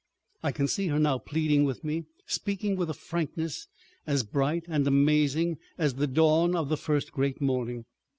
I can see her now pleading with me, speaking with a frankness as bright and amazing as the dawn of the first great morning.